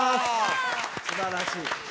すばらしい。